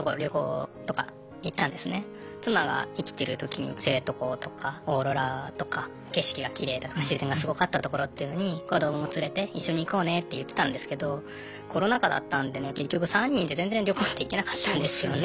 妻が生きてるときに知床とかオーロラとか景色がきれいだとか自然がすごかった所っていうのに子どもも連れて一緒に行こうねって言ってたんですけどコロナ禍だったんでね結局３人で全然旅行って行けなかったんですよね。